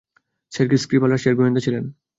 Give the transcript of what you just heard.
Sergei Skripal রাশিয়ার গোয়েন্দা ছিলেন।